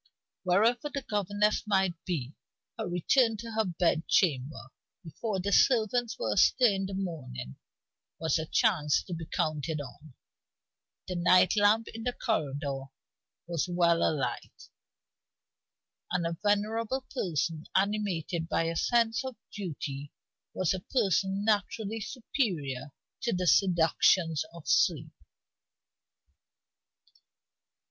Wherever the governess might be, her return to her bed chamber, before the servants were astir in the morning, was a chance to be counted on. The night lamp in the corridor was well alight; and a venerable person, animated by a sense of duty, was a person naturally superior to the seductions of sleep.